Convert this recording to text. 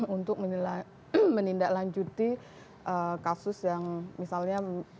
untuk menindaklanjuti kasus yang misalnya